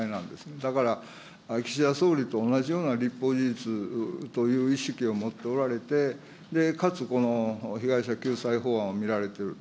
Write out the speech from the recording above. だから、岸田総理と同じような立法事実という意識を持っておられて、かつこの被害者救済法案を見られていると。